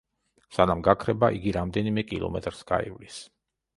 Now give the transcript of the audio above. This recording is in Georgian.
სანამ გაქრება, იგი რამდენიმე კილომეტრს გაივლის.